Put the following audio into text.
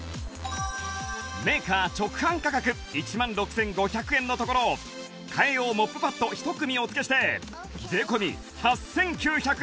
メーカー直販価格１万６５００円のところを替え用モップパッド１組お付けして税込８９８０円